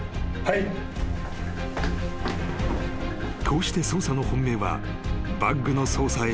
［こうして捜査の本命はバッグの捜査へと移行］